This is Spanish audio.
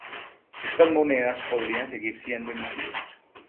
Estas monedas podrán seguir siendo emitidas.